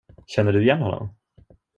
Känner du igen honom?